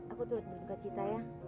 aku tuh udah buka cita ya